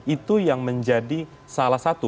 itu yang menjadi salah satu